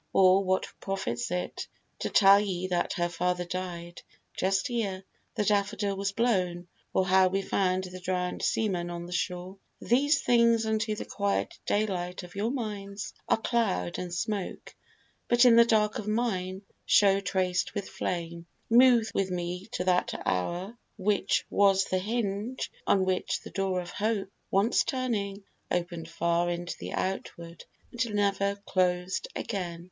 Or what profits it To tell ye that her father died, just ere The daffodil was blown; or how we found The drowned seaman on the shore? These things Unto the quiet daylight of your minds Are cloud and smoke, but in the dark of mine Show traced with flame. Move with me to that hour, Which was the hinge on which the door of Hope, Once turning, open'd far into the outward, And never closed again.